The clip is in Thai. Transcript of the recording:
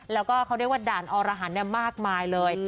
แล้วก็เขาเรียกว่าด่านอรหันต์มากมายเลย